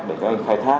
để các anh khai thác